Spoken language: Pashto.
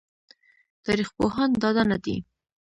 تاريخ پوهان ډاډه نه دي